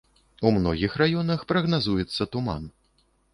У многіх раёнах прагназуецца туман.